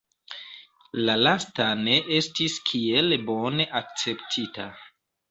La lasta ne estis kiel bone akceptita.